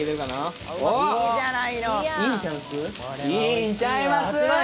いいんちゃいます？